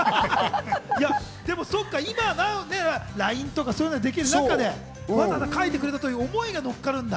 今、ＬＩＮＥとかでそういうのできるけど、わざわざ書いてくれたという思いがのっかるんだ。